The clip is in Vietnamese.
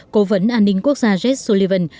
cố vấn an ninh quốc gia jeff sullivan